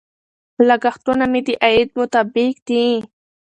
لګښتونه مې د عاید مطابق دي.